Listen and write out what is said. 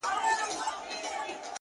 سیاه پوسي ده” جنگ دی جدل دی”